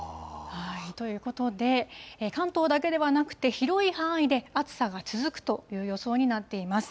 ということで、関東だけではなくて、広い範囲で暑さが続くという予想になっています。